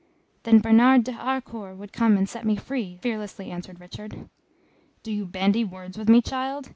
"Then Bernard de Harcourt would come and set me free," fearlessly answered Richard. "Do you bandy words with me, child?